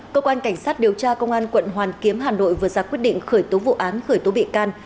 cơ quan cảnh sát điều tra công an quận hoàn kiếm hà nội vừa ra quyết định khởi tố vụ án khởi tố bị can